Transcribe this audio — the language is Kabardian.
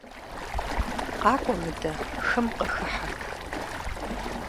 КъакӀуэ мыдэ, хым къыхыхьэ.